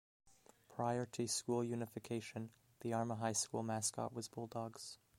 Prior to school unification, the Arma High School mascot was Bulldogs.